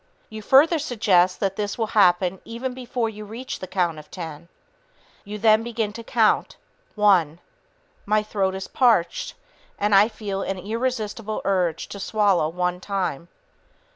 You further suggest that this will happen even before you reach the count of 10. You then begin the count. "One ... My throat is parched, and I feel an irresistible urge to swallow one time.